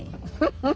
フフフ。